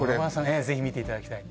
ええぜひ見ていただきたい